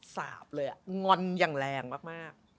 สาบเลยงอนอย่างแรงมาก